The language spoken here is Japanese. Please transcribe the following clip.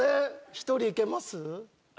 １人いけます？